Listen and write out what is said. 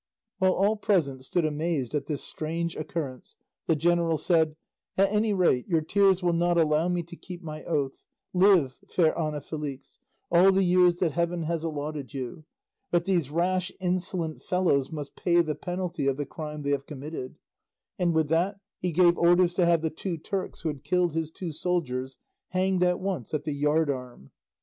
While all present stood amazed at this strange occurrence the general said, "At any rate your tears will not allow me to keep my oath; live, fair Ana Felix, all the years that heaven has allotted you; but these rash insolent fellows must pay the penalty of the crime they have committed;" and with that he gave orders to have the two Turks who had killed his two soldiers hanged at once at the yard arm.